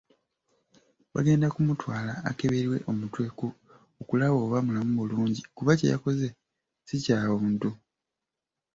Bagenda kumutwala akeberwe omutwe okulaba oba mulamu bulungi kuba kye yakoze ssi kya buntu.